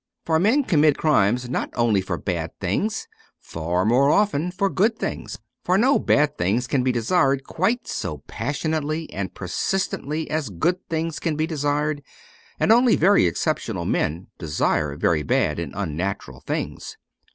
For men commit crimes not only for bad things, far more often for good things. For no bad things can be desired quite so passionately and persistently as good things can be desired, and only very exceptional men desire very bad and unnatural things.